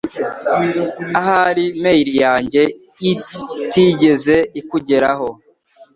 ahari mail yanjye itigeze ikugeraho